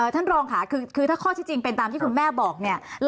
ท่านรองค่ะคือถ้าข้อที่จริงเป็นตามที่คุณแม่บอกเนี่ย